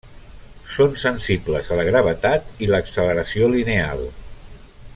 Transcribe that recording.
Són sensibles a la gravetat i l'acceleració lineal.